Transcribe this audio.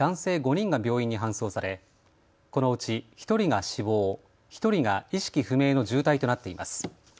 ５人が病院に搬送されこのうち１人が死亡、１人が意識不明の重体となっています。